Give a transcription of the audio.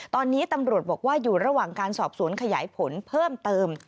ตอนนี้ตำรวจบอกว่าอยู่ระหว่างการสอบสวนขยายผลเพิ่มเติม